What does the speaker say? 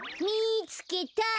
みつけた。